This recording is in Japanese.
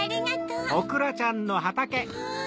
うわ！